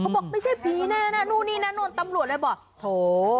บอกไม่ใช่ผีแน่นะนู่นนี่นั่นนู่นตำรวจเลยบอกโถ